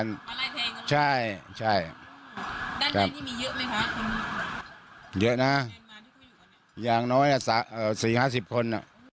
เยอะนะอย่างน้อยสี่ห้าสิบคน